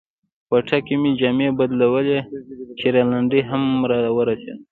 کوټه کې مې جامې بدلولې چې رینالډي هم را ورسېد.